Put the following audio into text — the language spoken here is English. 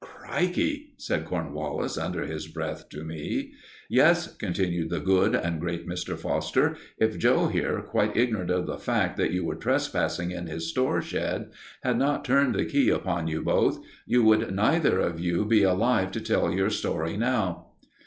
"Crikey!" said Cornwallis under his breath to me. "Yes," continued the good and great Mr. Foster, "if Joe here, quite ignorant of the fact that you were trespassing in his store shed, had not turned the key upon you both, you would neither of you be alive to tell your story now."